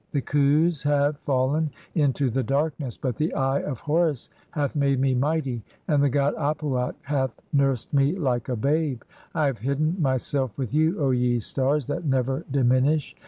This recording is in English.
"The Khus have (2) fallen into the darkness, but the Eye of "Horus hath made me mighty and the god Ap uat hath nursed "me like a babe. I have hidden (3) myself with you, O ye stars "that never diminish!